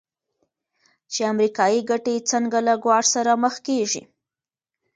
چې امریکایي ګټې څنګه له ګواښ سره مخ کېږي.